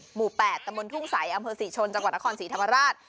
หมู่๘ตำบลทุ่งใสอำเภอศรีชนจังหวัดนครศรีธรรมราช